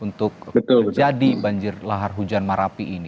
untuk terjadi banjir lahar hujan marapi ini